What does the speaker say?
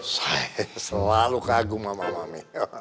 saya selalu kagum sama mamih